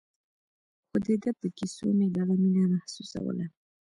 خو د ده په کيسو مې دغه مينه محسوسوله.